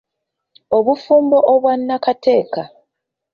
Obufumbo obwa nnakateeka.